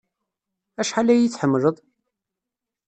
Acḥal ay iyi-tḥemmleḍ?